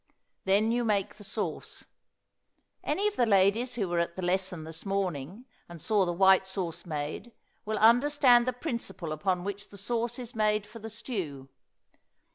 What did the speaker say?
Then you make the sauce. Any of the ladies who were at the lesson this morning and saw the white sauce made, will understand the principle upon which the sauce is made for the stew.